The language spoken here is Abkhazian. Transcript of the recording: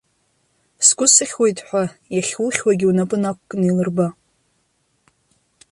Сгәы сыхьуеит ҳәа, иахьухьуагьы унапы нақәкны илырба.